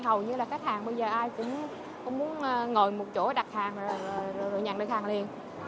hầu như là khách hàng bây giờ ai cũng không muốn ngồi một chỗ đặt hàng rồi nhận được hàng liền